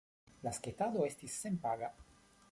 La sketado estis senpaga.